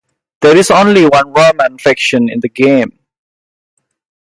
There is only one Roman faction in the game.